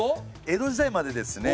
江戸時代までですね